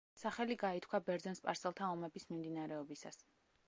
სახელი გაითქვა ბერძენ-სპარსელთა ომების მიმდინარეობისას.